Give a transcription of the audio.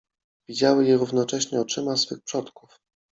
Widziały je równocześnie oczyma swych przodków.